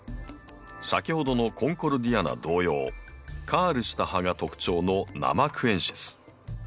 先ほどのコンコルディアナ同様カールした葉が特徴のナマクエンシス。